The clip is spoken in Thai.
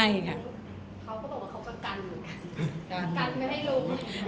เขาก็บอกว่าเขากำกันเหมือนกัน